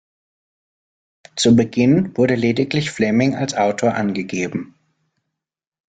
Zu Beginn wurde lediglich Fleming als Autor angegeben.